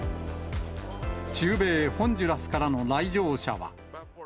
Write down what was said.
中米ホンジュラスからの来場者は。